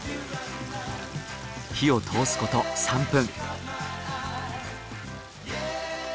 火を通すこと３分。